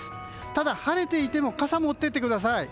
ただ、晴れていても傘を持っていってください。